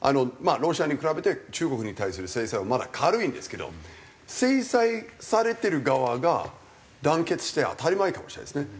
まあロシアに比べて中国に対する制裁はまだ軽いんですけど制裁されてる側が団結して当たり前かもしれないですね。